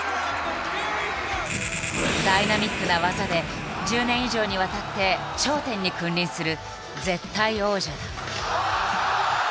ダイナミックな技で１０年以上にわたって頂点に君臨する絶対王者だ。